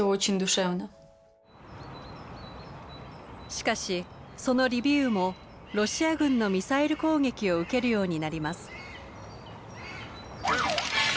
しかしそのリビウもロシア軍のミサイル攻撃を受けるようになります。